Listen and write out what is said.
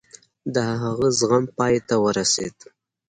د هغه زغم پای ته ورسېد.